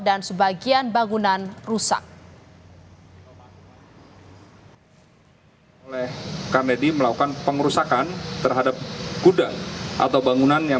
dan sebagian bangunan rusak oleh kandedi melakukan pengurusan terhadap gudang atau bangunan yang